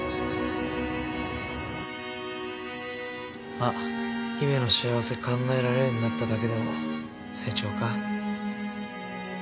まあ姫の幸せ考えられるようになっただけでも成長か。